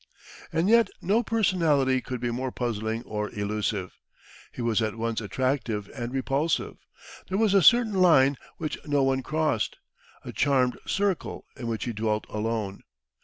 And yet no personality could be more puzzling or elusive. He was at once attractive and repulsive there was a certain line which no one crossed, a charmed circle in which he dwelt alone.